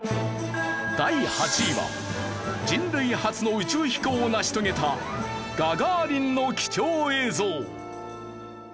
第８位は人類初の宇宙飛行を成し遂げたガガーリンの貴重映像。